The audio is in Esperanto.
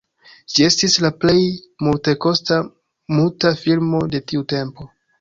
Ĝi estis la plej multekosta muta filmo de tiu tempo.